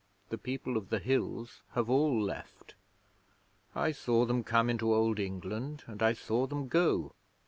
The People of the Hills have all left. I saw them come into Old England and I saw them go.